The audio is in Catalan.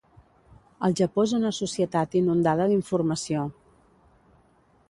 El Japó és una societat inundada d'informació.